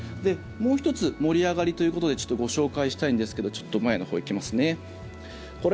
もう１つ盛り上がりということでちょっとご紹介したいんですけどちょっと前のほう行きますね。